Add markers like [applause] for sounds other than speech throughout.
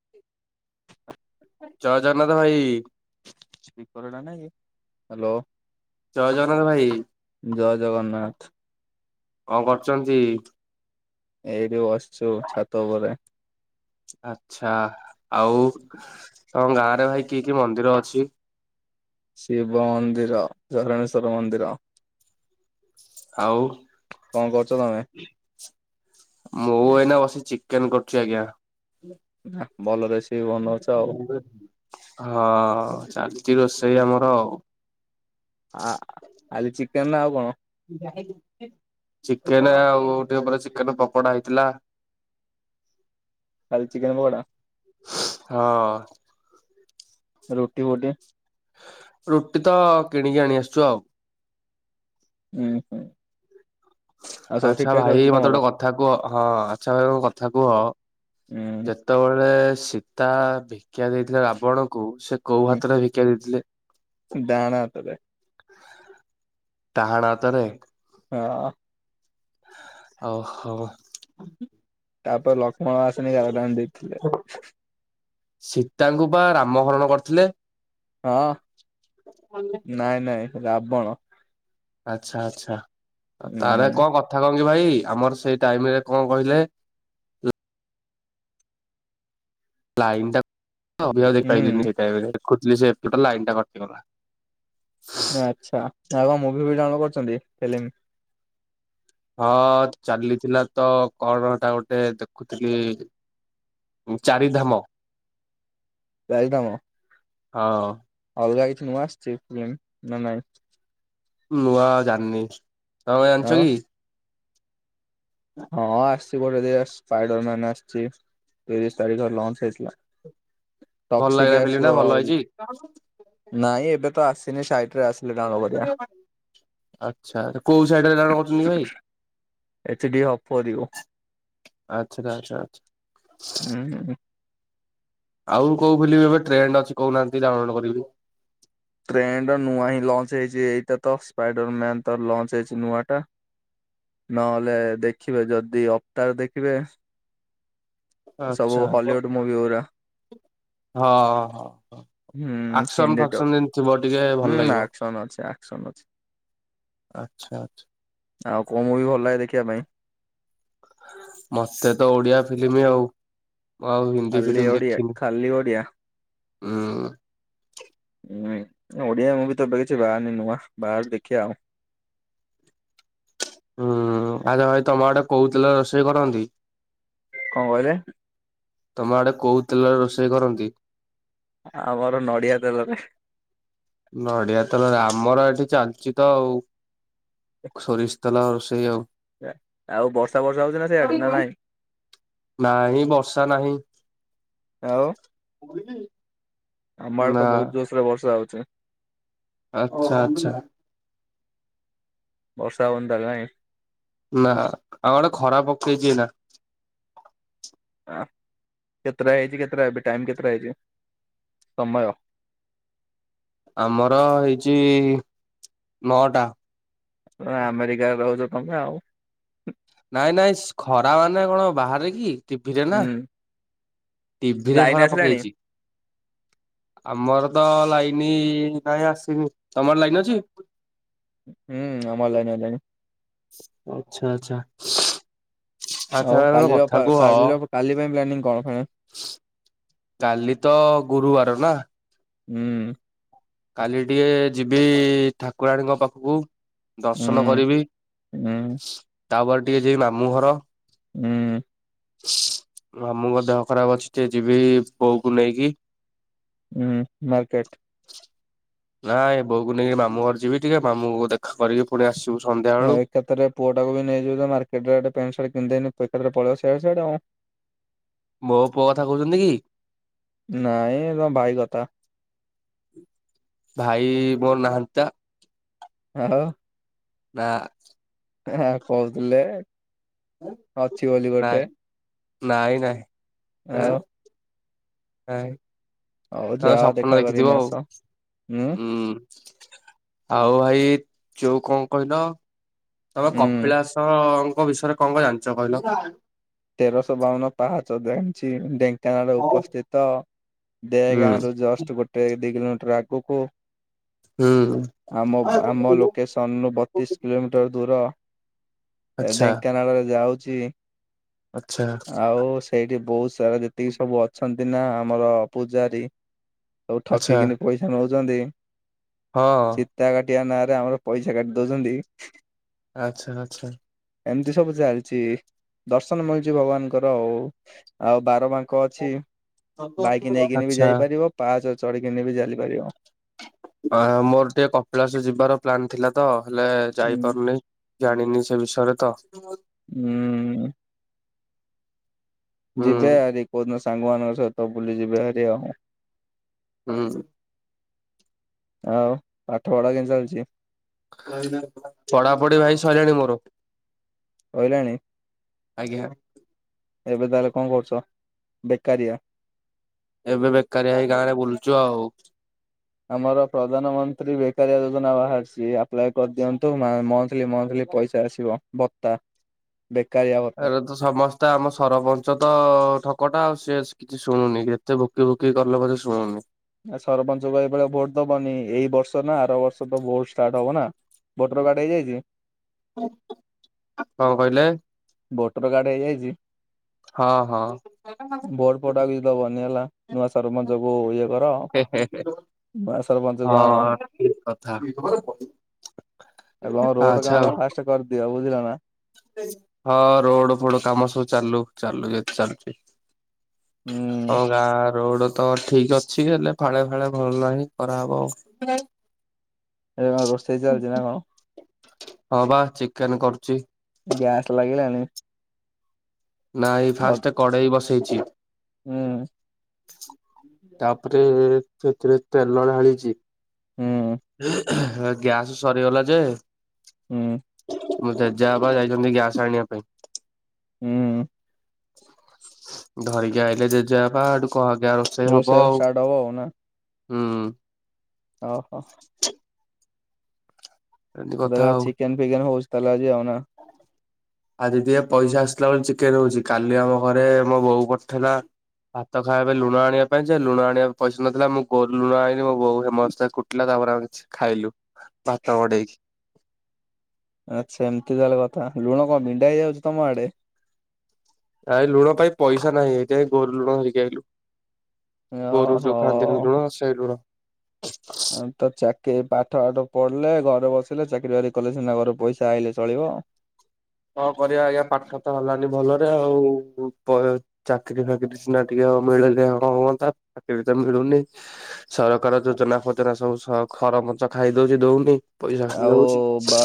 ହୁଁ। ଜୟ ଜଗନ୍ନାଥ ଭାଇ। ସ୍ପିକର ଟା ନାହି କି? ହାଲୋ। ଜୟ ଜଗନ୍ନାଥ ଭାଇ। ଜୟ ଜଗନ୍ନାଥ କଣ କରୁଛନ୍ତି? ଏଇଠି ବସିଛୁ ଛାତ ଉପରେ। ଆଚ୍ଛା ଆଉ ତମ ଗାଁରେ ଭାଇ କି କି ମନ୍ଦିର ଅଛି? ଶିବ ମନ୍ଦିର, ଝରଣେଶ୍ଵର ମନ୍ଦିର। ଆଉ। କଣ କରୁଛ ତମେ? ମୁଁ ଏଇନା ବସି ଚିକେନ କରୁଛି ଆଜ୍ଞା। ନା ଭଲରେ ରେସିପି ବନଉଛ ଆଉ ମୁଁ ଏ ହଁ ଚା ଚି ରୋଷେଇ ଆମର ଆଉ। ଆ ଆଜି ଚିକେନ ନା ଆଉ କଣ? ଚିକେନ ଆଉ ଟିକେ ପରେ ଚିକେନ ପକୋଡା ହେଇଥିଲା। ଖାଲି ଚିକେନ ପକୋଡା? ହଁ। ରୁଟି ଫୁଟି। ରୁଟି ତ କିଣିକି ଆଣି ଆସିଛୁ ଆଉ। ହୁଁ ହୁଁ। ଆଉ ସବୁ ଠିକ ଆଚ୍ଛା ଠାକ ଭାଇ ଚାଲିଛି ମତେ ତମର ଗୋଟେ କଥା କୁହ ହଁ ଆଚ୍ଛା ଭାଇ ମ କଥା କୁହ। ହୁଁ ଯେତେବେଳେ ସୀତା ଭିକ୍ଷା ଦେଇଥିଲେ ରାବଣକୁ ସେ କୋଉ ହୁଁ ହାତରେ ଭିକ୍ଷା ଦେଇଥିଲେ? ଡାହାଣ ହାତରେ। ଡ଼ାହାଣ ହାତରେ। ହଁ। ଓ ହୋ। ତାପରେ ଲକ୍ଷ୍ମଣ ଆସିକି ଗାର ଟାଣି ଦେଇଥିଲେ। ସୀତାଙ୍କୁ ବା ରାମ ହରଣ କରିଥିଲେ। ହଁ ନାଇଁ ନାଇଁ ରାବଣ। ଆଛା ଆଚ୍ଛା ଆ ତାହରେ ହୁଁ କଣ କଥା କହ [unintelligible] ଭାଇ ଆମର ସେଇ ଟାଇମରେ କଣ କହିଲେ ଲାଇନ୍ ଟା ଅବିକା ଆଉ ହୁଁ ଦେଖିପାଇଲିନି ସେଇ ଟାଇମରେ ଦେଖୁଥିଲି ସେପଟେ ଲାଇନଟା କଟିଗଲା। ଆଛା ଆଉ କଣ ମୁଭି ଫୁବି ଡାଉନ୍ ଲୋଡ କରିଛନ୍ତି ଫିଲିମ୍ ହଁ ଚାଲିଥିଲା ତ କଣ ହେଟା ଗୋଟେ ଦେଖୁଥିଲି ଚାରିଧାମ। ଚାରିଧାମ ହଁ। ଅଲଗା କିଛି ନୂଆ ଆସିଛି ଫିଲ୍ମ ନା ନାଇଁ? ନୂଆ ଜାଣିନି ତମେ ଜାଣିଛ ଆଉ କି? ହଁ ଆସ୍ [unintelligible] ସ୍ପାଇଡରମାନ ଆସିଛି ତିରିଶ ତାରିଖ ଲଞ୍ଚ ହେଇଥିଲା। ଭଲ ଲାଗିଲା ଟକ୍ସିକ ଫିଲ୍ମ ଟା ଆସିବ ଭଲ ଆଉରି ହେଇଛି। ନାଇଁ ଏବେ ତ ଆସିନି ସାଇ ଆଛା ଏଇଟା କୋଉ ସାଇଟରେ ଡାଉନ୍ ଲୋଡ୍ କରୁଛନ୍ତି କି ଭାଇ? ଏଚ ଡି ଅଫ ପଡିବ ଆଚ୍ଛା ଆଚ୍ଛା ଆଚ୍ଛା ହୁଁ ହୁଁ ହୁଁ ଆଉ କୋଉ ଫିଲିମ୍ ଏବେ ଟ୍ରେଣ୍ଡ ଅଛି କହୁନାହାନ୍ତି ଡାଉନ୍ ଲୋଡ କରିବି। ଟ୍ରେଣ୍ଡ ନୂଆ ହିଁ ଲଞ୍ଚ ହେଇଛି ଏଇଟା ତ ସ୍ପାଇଡର ମ୍ୟାନ ତ ଲଞ୍ଚ ହେଇଛି ନୂଆଟା। ନହେଲେ ଦେଖିବେ ଯଦି ଅଭତାର ଦେଖିବେ ସବୁ ହଲିଉଡ ମୁଭି ଗୁରା। ହଁ ହଁ ହଁ ହଁ ହୁଁ ଆକ୍ସନ ହିନ୍ଦୀ ଡବ୍ ଫାକ୍ସନ ଯେମ ହୁଁ ଆକ୍ସନ ଅଛି ଆକ୍ସନ ଅଛି। ଆଚ୍ଛା ଆଚ୍ଛା ଆଉ କୋଉ ମୁଭି ଭଲ ଲାଗେ ଦେଖିବା ପାଇଁ? ମତେ ତ ଓଡିଆ ଫିଲିମି ଆଉ ମୁଁ ଆଉ ହିନ୍ଦୀ ଖାଲି ଫିଲିମ ଓଡିଆ ଦେଖିନି ଖାଲି ଓଡିଆ। । ହୁଁ ହୁଁ ଓଡିଆ ମୁଭି ତ ଏବେ କିଛି ବାହାରିନି ନୂଆ ବାହାରୁ ଦେଖିଆ ଆଉ। ହୁଁ ଆରେ ଭାଇ ତମ ଆଡେ କୋଉ ତେଲରେ ରୋଷେଇ କରନ୍ତି? କଣ କହିଲେ? ତମ ଆଡେ କୋଉ ତେଲରେ ରୋଷେଇ କରନ୍ତି? ଆମର ନଡିଆ ତେଲରେ। ନଡିଆ ତେଲରେ ଆମର ଏଠି ଚାଲିଛି ତ ଆଉ। ସୋରିଷ ତେଲ ରୋଷେଇ ଆଉ ଆଉ ବର୍ଷା ବର୍ଷା ହଉଛି ନା ସିଆଡେ ନା ନାଇଁ? ନାହିଁ ବର୍ଷା ନାହିଁ। ଆଉ ଆମ ଆଡେ ନା ତ ବହୁତ ଜୋରସରେ ବର୍ଷା ହଉଛି। ଆଚ୍ଛା ଆଚ୍ଛା। ବର୍ଷା ହଉନି ତାହେଲେ ନାଇଁ। ନା ଆମ ଆଡେ ଖରା ପକେଇଚି ଏଇନା। କେତେଟା ହେଇଚି କେତେଟା ଏବେ ଟାଇମ କେତେଟା ହେଇଛି? ସମୟ। ଆମର ହେଇଛି ନଅଟା। ତମେ ଆମେରିକାରେ ରହୁଚ ତମେ ଆଉ। ନାଇଁ ନାଇଁ ସ୍ ଖରାମାନେ କଣ ବାହାରେ କି ଟିଭିରେ ନା। ହୁଁ ଟିଭିରେ ଲାଇନ ଖରା ଆସିଲାଣି ପକେଇଛି ଆମର ତ ଲାଇନି ନାଇଁ ଆସନି, ତମର ଲାଇନ ଅଛି? ହୁଁ ଆମର ଲାଇନ ଆଇଲାଣି। ଆଚ୍ଛା ଆଚ୍ଛା। ଆଚ୍ଛା ଆଉ ଗୋଟେ କାଲିର କଥା ଫା କୁହ କାଲିର ପାଇଁ କାଲି ପ୍ଲାନିଂ କଣ ଫେରେ? କାଲି ତ ଗୁରୁବାର ନା। ହୁଁ। କାଲି ଟିକେ ଯିବି ଠାକୁରାଣୀଙ୍କ ପାଖକୁ। ଦର୍ଶନ ହୁଁ କରିବି ହୁଁ ତାପରେ ଟିକେ ଯିବି ମାମୁଁ ଘର। ହୁଁ। ମାମୁଁଙ୍କ ଦେହ ଖରାପ ଅଛି ଟିକେ ଯିବି ବୋଉ କୁ ନେଇକି ହୁଁ ମାର୍କେଟ ନାଆଁ ଏ ବୋଉକୁ ନେଇକି ମାମଁ ଘର ଯିବିି ଟିକେ ମାମୁଁ ଙ୍କୁ ଦେଖା କରିକି ପୁଣି ଆସିବି। ଆ ଏକାଥରେ ପୁଅଟାକୁ ବି ନେଇଯିବୁ ଯେ ମାର୍କେଟେ ଆଡେ ପେଣ୍ଟ ସାର୍ଟ କିଣି କେମିତି ଏନେ ପେକେଦେରେ ପଳେଇବ ସିଆଡ଼େ ସିଆଡ଼େ ଆଉ। ମୋ ପୁଅ କଥା କହୁଛନ୍ତି କି? ନାଇଁ ତମ ଭାଇ କଥା। ଭାଇ ମୋର ନାହାନ୍ତି ତ। ଆଉ ନା। ହେଁ କହୁଥିଲେ ଅଛି ବୋଲି ନାଇଁ ଗୋଟେ ନାଇଁ ନାହିଁ। ଆଉ ହଉ ଆଁ ଆଉ ଯାଅ ଦେଖା ସ୍ୱପ୍ନ ଦେଖିଥିବ କରିକିନି ଆଉ ଆସ। ଉଁ ହୁଁ। ଆଉ ଭାଇ ଯୋଉ କଣ କହିଲ ତମେ ଉଁ କପିଳାସ ମୋ ବିଷୟରେ କଣ କଣ ଜାଣିଛ କହିଲ? ତେରଶହ ବାଉନ ପାହାଚ ଜାଣିଚି ଡେଁ ତାଙ୍କର ଉପସ୍ଥିତ ଦେ ଗାଁ ହୁଁ ରୁ ଜଷ୍ଟ ଗୋଟେ ଦି କିଲୋମିଟର ଆଗକୁ କା ହୁଁ ଆମ ଆମ ଲୋକେସନରୁୁ ବତିଶ କିଲୋମିଟର ଦୂର। ଆଚ୍ଛା ଢେଙ୍କାନାଳରେ ଯାଉଛି। ଆଚ୍ଛା ଆଉ ସେଇଠି ବହୁତ ସାରା ଯେତିକି ସବୁ ଅଛ ଦିନା ଆମର ପୂଜାରୀ ସବୁ ଆଚ୍ଛା ଠକିକିନି ପଇସା ନଉଛନ୍ତି। ହଁ। ଠିଆ ନାଁରେ ଆମର ପଇସା କାଟି ଦଉଛନ୍ତି। ଆଚ୍ଛା ଆଚ୍ଛା। ଏମିତି ସବୁ ଚାଲିଛି ଦର୍ଶନ ମିଳୁଛି ଭଗବାନଙ୍କର ଆଉ। ଆଉ ବାରବାଙ୍କ କ ଅଛି ବାଇକ ନେଇକିନି ବି ଆଚ୍ଛା ଯାଇପାରିବ। ପାହାଚ ଚଢ଼ିକିନି ବି ଚାଲିପାରିବ। ଆ ମୋର ଟିକେ କପିଳାସ ଯିବାର ପ୍ଲାନ ଥିଲା ତ। ହେଲେ ହୁଁ ଯାଇପାରୁନି ଜାଣିନି ସେ ବିଷୟରେ ତ। ହୁଁ। ହୁଁ ଯିବେ ହାରି କୋଉଦିନ ସାଙ୍ଗ ମାନଙ୍କ ସହିତ ବୁଲିଯିବେ ହାରି ଆଉ। ହୁଁ। ଆଉ ପାଠ ପଢା କେମିତି ଚାଲିଛି? ପଢାପଢି ଭାଇ ସରିଲାଣି ମୋର। ସଇଲାଣି? ଆଜ୍ଞା। ଏବେ ତାହେଲେ କଣ କରୁଛ? ବେକାରିଆ। ଏବେ ବେକାରିଆ ହେଇ ଗାଁରେ ବୁଲୁଛୁ ଆଉ। ଆମର ପ୍ରଧାନମନ୍ତ୍ରୀ ବେକାରିଆ ଯୋଜନା ବାହାରିଛି। ଆପ୍ଲାଇ କରିଦିଅନ୍ତୁ ମା ମନ୍ଥଲୀ ମନ୍ଥଲୀ ପଇସା ଆସିବ ଭତ୍ତା। ବେକାରିଆ ଭତ୍ତା ଏରେ ତ ସମସ୍ତେ ଆମ ସରପଞ୍ଚ ତ ଠକଟା ଆଉ। ସେ କିଛି ଶୁଣୁନି ଯେତେ ଭୋକି ଭୋକି କଲେ ବି ସେ ଶୁଣୁନି। ଆ ସରପଞ୍ଚଙ୍କୁ ଏଭଳିଆ ଭୋଟ ଦବନି ଏଇ ବର୍ଷ ନା ଆର ବର୍ଷ ତ ଭୋଟ ଷ୍ଟାର୍ଟ ହବ ନା। ଭୋଟର କାର୍ଡ ହେଇଯାଇଛି କଣ କହିଲେ? ଭୋଟର କାର୍ଡ ହେଇଯାଇଛି? ହଁ ହଁ ଭୋଟ ଫୋଟ ଆଉ କିଛି ଦବନି ହେଲା। ନୂଆ ସରପଞ୍ଚ କୁ ଇଏ କର। ହେ ହେ ହେ ବାସ। ହଁ ଠିକ କଥା। ଆଉ କଣ ରୋଡ ଆଚ୍ଛା କାମ ଟା ଫାଷ୍ଟ କରିଦିଅ ବୁଝିଲ। ନା ହଁ। ରୋଡ ଫୋଡ କାମ ସବୁ ଚାଲୁ ଚାଲୁ ଯେତେ ଚାଲୁଛି। ତମ ହୁଁ। ଗାଁ ରୋଡ। ତ ଠିକ ଅଛି ହେଲେ ଫାଳେ ଫାଳେ ଭଲ ନାହିିଁ କରାହବ ଆଉ। ଏବେ କଣ ରୋଷେଇ ଚାଲଛି ନା କଣ? ହଁ ବା ଚିକେନ କରୁଛି। ଗ୍ୟାସ ଲାଗିଲାଣି? ନାଇଁ ଅ ଫାଷ୍ଟ କଡେଇ ବସେଇଛି। ହୁଁ ତାପରେ ସେଥିରେ ତେଲ ଢାଳିଛି। ହୁଁ। ଗ୍ୟାସ ସରିଗଲା ଯେ। ହୁଁ। ମୋ ଜେଜେବାପା ଯାଇଛନ୍ତି ଗ୍ୟାସ ଆଣିବା ପାଇଁ। ହୁଁ ଧରିକି ଆଇଲେ ଜେଜେବାପା ଆଡୁ କ ଆଜ୍ଞା ରୋଷେଇ ହବ ଆଉ ଷ୍ଟାର୍ଟ ହବ ହୁଁ। ଓ ହୋ। ଏମିତି ମୁଁ କଥା କହିଲି ଆଉ ଚିକେନ ଫିକେନ୍ ହଉଛି ତାହେଲେ ଆଜି ଆଉ। ନା। ଆଜି ଟିକେ ପଇସା ଆସ ଥିଲା ବୋଲି ଚିକେନ ହଉଚି। କାଲି ଆମ ଘରେ ମୋ ବୋଉ କରିଥିଲା। ଭାତ ଖାଇବା ପାଇଁ ଲୁଣ ଆଣିବା ପାଇଁ ଯେ ଲୁଣ ଆଣିବା ପଇସ ନଥିଲା। ମୁଁ ଗୋରୁ ଲୁଣ ଆଣିଲି ମୋ ବୋଉ ହେମଦସ୍ତାରେ କୁଟିଲା। ତାପରେ ଆମେ କିଛି ଖାଇଲୁ ଭାତ ମଡେଇକି। ଆଚ୍ଛା ଏମିତି ତାହଲେ କଥା। ଲୁଣ କଣ ବିଣ୍ଡା ହେଇଯାଉଛି ତମ ଆଡେ? ଆ ଲୁଣ ପାଇଁ ପଇସା ନାହିଁ। ଏଇ ଯାଇ ଗୋରୁ ଲୁଣ ଧରିକି ଆଇଲୁ। ଗୋରୁ ଯୋଉ ଓହୋ। ଖାନ୍ତିନି ଲୁଣ ସେଇ ଲୁଣ। ତ ଚାକିରି ପାଠ ବାଠ ପଢ଼ିଲେ ଘରେ ବସିଲେ ଚାକିରି ବାକିରି କଲେ ସିନା ଘର ପଇସା ଆଇଲେ ଚଳିବ। ହଁ କରିବା ଆଜ୍ଞା ପାଠ ତ ହେଲାନି ଭଲରେ ଆଉ ବ ଚାକିରି ଫାକିରି ସିନା ଟିକେ ତ ମିଳିଲେ ହଁ ହୁଅନ୍ତା ଚାକିରି ତ ମିଳୁନି ସରକାର ଯୋଜନା ଫୋଜନା ସବୁ ଖ ତରମଚ ଖାଇ ଦଉଛି ଦଉନି। ପଇସା ଖାଇ ଆଉ ଦଉଛି ବା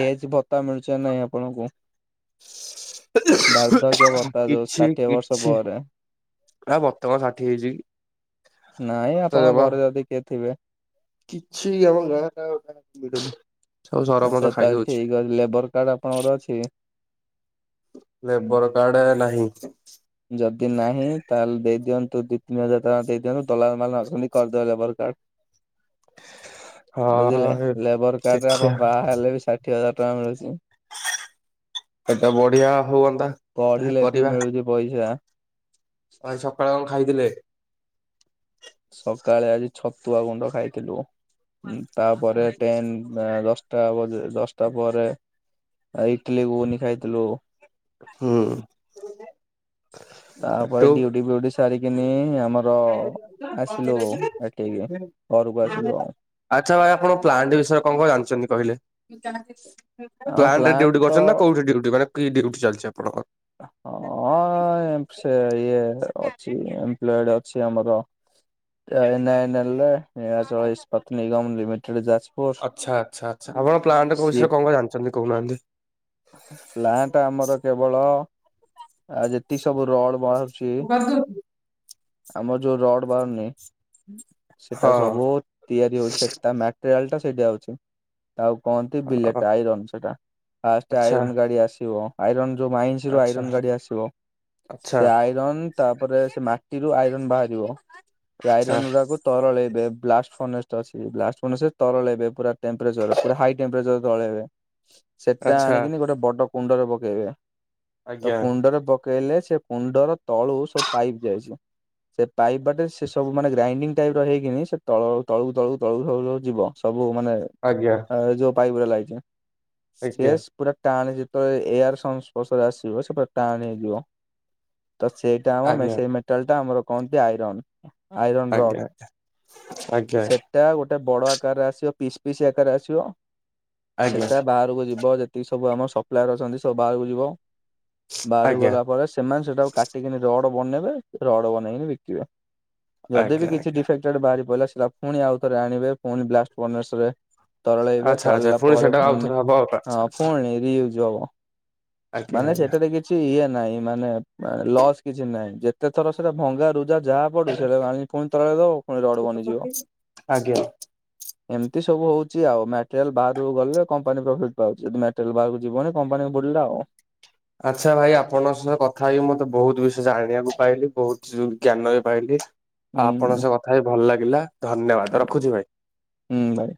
ଏଜ ଭତ୍ତା ମିଳୁଛି ନା ନାଇଁ ଆପଣଙ୍କୁ? ବାର୍ଦ୍ଧକ୍ୟ ଭତ୍ତା ଯୋଉ କିଛି ଷାଠିଏ ବର୍ଷ କିଛି ପରେ। ନା ବର୍ତ୍ତମାନ ଷାଠିଏ ହେଇଛି? ନାଇଁ ଆପଣ ବା ଘରେ ଯଦି କିଏ ଥିବେ କିଛି ଆମ ଗାଁ ଟା ଗୋଟେ ବଡ ଆଚ୍ଛା ତାହେଲେ ଠିକ ଅଛି ଲେବର କାର୍ଡ ଆପଣଙ୍କର ଅଛି? ଲେବର କାର୍ଡ ନାହିଁ। ଯଦି ନାହିଁ ତାହେଲେ ଦେଇ ଦିଅ ତୁ ଦି ତିନି ହଜାର ଟଙ୍କା ଦେଇ ଦିୟନ୍ତୁ ଦଲାଲ ମାନେ ଅଛନ୍ତି କରିଦେବେ ଲେବର କାର୍ଡ। ବୁଝିଲେ ହଁ ଲେବର କାର୍ଡ ରେ ଦେଖିବା ଆପଣ ବାହା ହେଲେ ବି ଷାଠିଏ ହଜାର ଟଙ୍କା ମିଳୁଛି। ଏତେ ବଢିଆ ହୁଅନ୍ତା କରିବା। ଇୟା। ଆ ସକାଳେୁ କଣ ଖାଇଥିଲେ? ସକାଳେ ଆଜି ଛତୁଆ ଗୁଣ୍ଡ ଖାଇଥିଲୁ। ତାପରେ ଟେନ୍ ଏନ୍ ଦଶ ଦଟା ବ ଦଶଟା ପରେ ଇଟିଲି ଘୁଗୁନି ଖାଇଥିଲୁ। ହୁଁ ତାପରେ ହେଟୁ ଡିଉଟି, ଫିଉଟି ସାରିକିନି ଆଉ ଆମର ଆସିଲୁ ଏଠିକି, ଘରକୁ ଆସିଲୁ ଆଉ ଆଛା ଭାଇ, ଆପଣ ପ୍ଲାଣ୍ଟ ବିଷୟରେ କଣ କଣ ଜାଣିଛନ୍ତି କହିଲେ? ଆମ ପ୍ଲାଣ୍ଟ ରେ ଡିଉଟି ତ କରିଛନ୍ତି ନା, କୋଉଠି ଡିଉଟି ମାନେ କି ଡିଉଟି ଚାଲିଛି ଆପଣଙ୍କର? ହ ହଁ ଏମ ସେ ଇଏ ଏପ୍ ଅଛି ଆମର ଏ [unintelligible] ନିରାଚଳ ଇସ୍ପତ୍ତି ନିଗମ ଲିମିଟେଡ୍ ଯାଞ୍ଚ ଆଛା, ଆଛା, ଆଛା, ଆପଣ ପ୍ଲାଣ୍ଟ ସିଏ ବିଷୟରେ କଣ ଜାଣିଛନ୍ତି କହୁନାହାନ୍ତି? ପ୍ଲାଣ୍ଟ ଆମର କେବଳ ଆ ଯେତିକ ସବୁ ରଡ ବ [unintelligible] ଆମର ଯୋଉ ରଡ ବାହାରୁନି, ସେଟା ସବୁ ହଁ। ତିଆରି ହଉଛି ସେଟା ଟ୍ରେଲ୍ ଟା ସେଇଠଆ ହଉଛି [unintelligible] ଆଉ କହନ୍ତି ବିଲେଟ ଆଇରନ୍ ସେଟା, ଫାଷ୍ଟ ଆଚ୍ଛା ଆଇରନ୍ ଗାଡି ଆସିବ, ଆଇରନ୍ ଯୋଉ ମାଇନିସି ରୁ ଆଚ୍ଛା ଆଇରନ୍ ଗାଡି ଆସିବ, ଆଚ୍ଛା ସେ ଆଇରନ୍ ତାପରେ ସେ ରୁ ଆଇରନ୍ ବାହାରିବ, ସେ ଆଚ୍ଛା ଆଇରନ୍ ଗୁଡାକୁ ତରଳ ଏ ବ୍ଲାଷ୍ଟ ଫ ଅଛି ବ୍ ଫ ତରଳ ହେବେ ପୁରା ଟମ୍ଚର ପୁରା ହାଇ ଟମ୍ଚର ତଳ ହେବେ । ସେଟା ଆଚ୍ଛା ଆଣିକିନି ଗୋଟେ ବଡ କୁଣ୍ଡରେ ପକେଇବେ, ତ ଆଜ୍ଞା କୁଣ୍ଡରେ- ପକେଇଲେ, ସେ କୁଣ୍ଡର ତଳୁ ସବୁ ପାଇପ ଯାଇଛି । ହ [inaudible] ସେ ପାଇପ୍ ବାଟେ ସେ ସବୁ ମାନେ ଗ୍ରାଇଡିଙ୍ଗ ଟାଇପ ର ହେଇକିନି, ସେ ତ ତଳୁ ତଳ ତଳକୁ ତଳୁ ଯିବ, ସବୁ ମାନେ ଆଜ୍ଞା ଯୋଉ ପାଇପ୍ ଗୁଡା ଲାଗିଛି, ଆଜ୍ଞା ସେ ପୁରା ଟାଣ ଏୟାର ସଂସ୍ପର୍ଶରେ ଆସିବ ସେ ପୁରା ଟାଣ ହେଇଯିବ, ତ, ସେଇଟା ହବ, ଆଜ୍ଞା ସେଇ ମେ ଟା ଆମର କହନ୍ତି ଆଇରନ୍ ଆଇରନ୍ ରଡ ଆଜ୍ଞା ଆଜ୍ଞା। ସେଟା ଗୋଟେ ବଡ ଆକାରରେ ଆସିବ ପିସ୍ ପିସ୍ ଆକାରରେ ଆସିବ, ଆଜ୍ଞା ସେଟା ବାହାରକୁ ଯିବ ଏକି ସବୁ ଆମର ସପ୍ଲାୟର ଅଛନ୍ତି, ସବୁ ବାହାରକୁ ଯିବ । ବାହାରୁ ଆଜ୍ଞା ଗଲା ପରେ ସେମାନେ ସେଟାକୁ କାଟିକିନି ରଡ ବନେଇବେ। ରଡ ବ ନେଇକି ବିକିବେ, ଯଦି ବି ଆଜ୍ଞା ଆଜ୍ଞା କିଛି ଡିଫେକ୍ଟଡ ବାହାରି ପଡ଼ିଲା ପୁଣି ଆଉଥରେ ଆଣିବେ, ପୁଣି ବ୍ଲାଷ୍ଟେଶରେ ତରଳେଇବେ, ଆଚ୍ଛା ଆଚ୍ଛା ତରଲେଇବା ପୁଣି ପରେ ସେଟା ଆଉଥରେ ହବ ଆଉ ଆଚ୍ଛା ଆଚ୍ଛା। ଫୁଣି ରିୟୁଜ ହବ । ଆଜ୍ଞା ମାନେ ଆଜ୍ଞା ସେଠାରେ କିଛି ଇଏ ନାହିଁ, ମାନେ, ଲସ୍ କିଛି ନାହିଁ, ଯେତେ ଥର ସେଟା ଭଙ୍ଗାରୁୁ ଯାହା ଯାହା ପଡୁ, ସେଟା ପୁଣି ତଳେ ଦବ, ପୁଣି ରଡ ବନିଯିବ ଆଜ୍ଞା। ଏମତି । ସବୁ ହଉଛି ଆଉ ମଟେରିଲ ବାହାରକୁ ଗଲେ, କମ୍ପାନୀ ପ୍ରଫିଟ୍ ପାଉଛି, ଯଦି ମଟେରିଆଲ ବାହାରକୁ ଯିବନି, କମ୍ପାନୀ ବୁଡ଼ିଲା ଆଉ । ଆଛା ଭାଇ, ଆପଣଙ୍କ ସହ କଥା ହେଇ ମତେ ବହୁତ ବିଷୟ ଜାଣିବାକୁ ପାଇଲି, ବହୁତ ଜ୍ଞାନ ବି ପାଇଲି । ଆଉ ଆପଣଙ୍କ ହୁଁ ସ କଥା ହେଇ ଭଲ ଲାଗିଲା । ଧନ୍ୟବାଦ, ହୁଁ ରଖୁଛି ଭାଇ । ହୁଁ ଭାଇ।